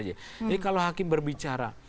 jadi kalau hakim berbicara